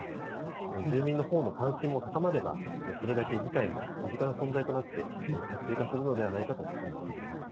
住民のほうの関心も高まればそれだけ議会も身近な存在となって活性化するのではないかと感じます。